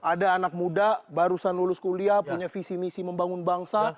ada anak muda barusan lulus kuliah punya visi misi membangun bangsa